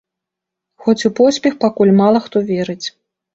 Хоць у поспех пакуль мала хто верыць.